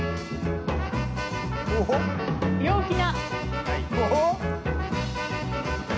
陽気な。